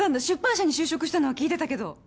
出版社に就職したのは聞いてたけど。